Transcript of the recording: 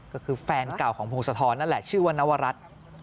ก็คือแฟนเก่าของพงศธรนั่นแหละชื่อว่านวรัฐ